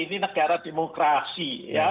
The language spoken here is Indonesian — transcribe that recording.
ini negara demokrasi